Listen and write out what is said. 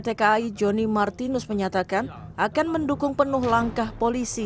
tki johnny martinus menyatakan akan mendukung penuh langkah polisi